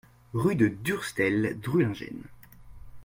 Rue de Durstel, Drulingen